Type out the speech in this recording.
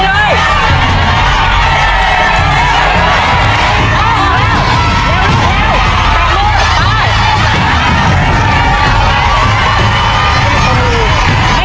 เอาแล้ว